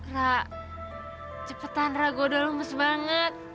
ra cepetan ra gua udah lemes banget